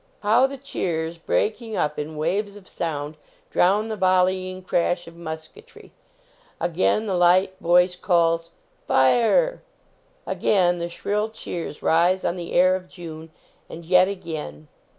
How the cheers, breaking up in waves of sound, drown the volleying cra^h of mu ket ry! Again the light voice calls "Fire!" 133 THE BATTLE OF ARDMORE Again the shrill cheers rise on the air of June, and yet again.